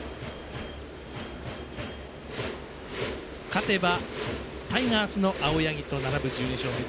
勝てばタイガースの青柳と並ぶ１２勝目。